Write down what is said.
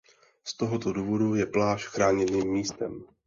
Z tohoto důvodu je pláž chráněným místem.